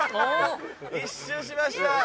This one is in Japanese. １周しました。